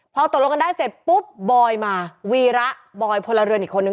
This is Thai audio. พอตกลงกันได้เสร็จปุ๊บบอยมาวีระบอยพลเรือนอีกคนนึง